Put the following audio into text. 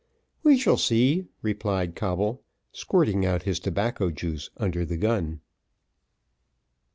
"We shall see," replied Coble, squirting out his tobacco juice under the gun.